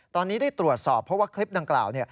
ตอนนี้ได้ตรวจสอบเพราะว่าคลิปดังกล่าว